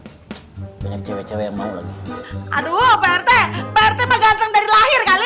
ada cerminin lo nih coba tuh pak rt cewek cewek mau lagi aduh pak rt pak rt pegang dari lahir kali